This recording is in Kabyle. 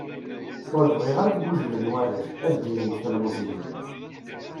Ur bɣiɣ ara ad gujlen warrac, ad ǧǧlent telmeẓyin.